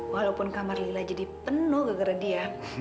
walaupun kamar lila jadi penuh geger dia